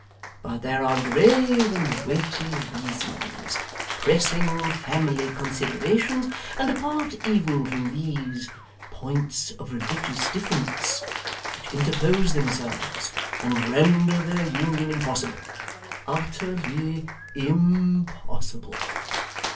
But there are grave and weighty reasons, pressing family considerations, and apart even from these, points of religious difference, which interpose themselves, and render their union impossible; utterly im possible.